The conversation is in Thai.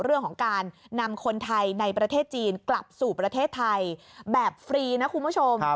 เรื่องของการนำคนไทยในประเทศจีนกลับสู่ประเทศไทยแบบฟรีนะคุณผู้ชม